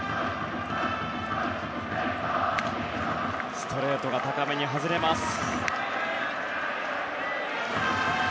ストレートが高めに外れました。